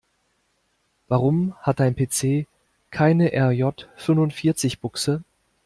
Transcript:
Warum hat dein PC keine RJ-fünfundvierzig-Buchse?